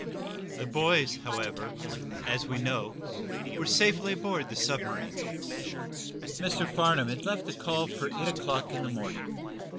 The boys, however, as we know, were safely aboard the submarine. Mr. Farnum had left a call for eight o'clock in the morning.